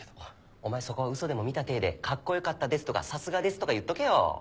お前そこは嘘でも見た体で「カッコ良かったです」とか「さすがです」とか言っとけよ。